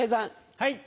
はい。